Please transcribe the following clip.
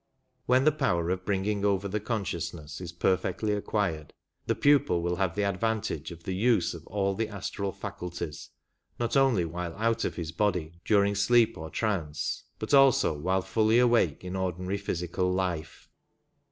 When the power of bringing over the consciousness is perfectly acquired the pupil will have the advantage of the use of all the astral faculties, not only while out of his body during sleep or trance, but also while fully awake in ordinary physical life.